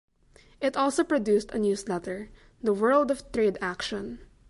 It also produced a newsletter, "The World of Trade Action".